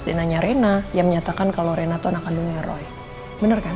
renanya rena yang menyatakan kalau rena itu anak kandungnya roy bener kan